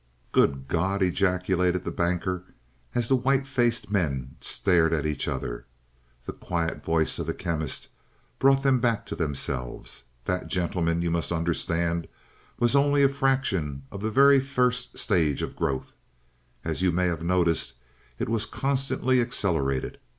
"Good God!" ejaculated the Banker, as the white faced men stared at each other. The quiet voice of the Chemist brought them back to themselves. "That, gentlemen, you must understand, was only a fraction of the very first stage of growth. As you may have noticed, it was constantly accelerated.